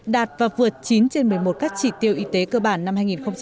đạt và vượt chín trên một mươi một các chỉ tiêu y tế cơ bản năm hai nghìn hai mươi